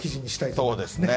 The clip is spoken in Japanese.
そうですね。